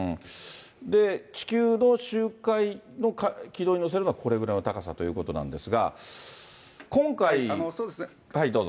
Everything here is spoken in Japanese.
地球の周回軌道に乗せるのは、これぐらいの高さということなんですが。